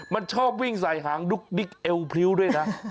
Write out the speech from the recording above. มันชอบวิ่งใส่หางดุ๊กดิ๊กเอวพริ้วด้วยนะ